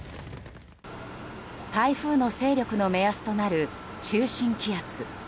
台風の勢力の目安となる中心気圧。